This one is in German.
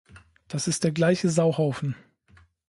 Das ist der gleiche Sauhaufen!